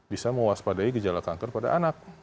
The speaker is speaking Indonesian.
bisa mewaspadai gejala kanker pada anak